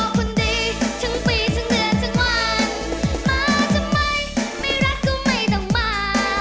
ก็ไม่ไม่รักก็ไม่ต้องมา